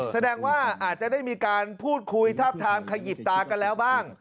แสดงว่าอาจจะได้มีการพูดคุยทาบทามขยิบตากันแล้วบ้าง